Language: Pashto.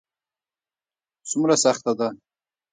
څومره سخته ده ؟